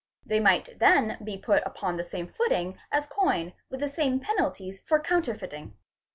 They might then be put upon the same footing as coin with the same penalties for counterfeiting.